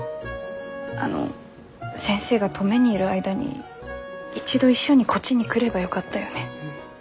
あの先生が登米にいる間に一度一緒にこっちに来ればよかったよね。